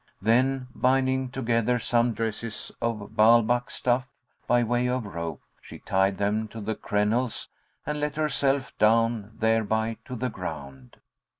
Then binding together some dresses of Ba'albak[FN#67] stuff by way of rope, she tied them to the crenelles and let herself down thereby to the ground.